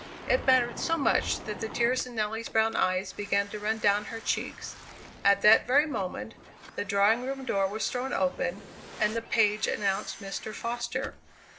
It mattered so much that the tears in Nelly's brown eyes began to run down her cheeks. At that very moment the drawing room door was thrown open, and the page announced Mr. Foster.